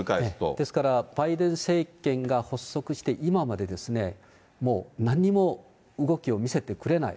ですから、バイデン政権が発足して、今まで、もう、何にも動きを見せてくれない。